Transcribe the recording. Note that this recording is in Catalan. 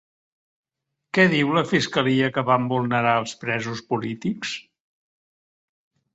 Què diu la fiscalia que van vulnerar els presos polítics?